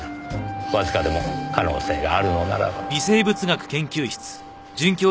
わずかでも可能性があるのならば。